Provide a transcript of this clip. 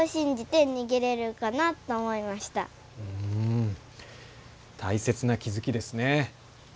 うん大切な気付きですね。